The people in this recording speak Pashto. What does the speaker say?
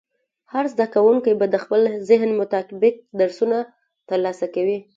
هر زده کوونکی به د خپل ذهن مطابق درسونه ترلاسه کوي.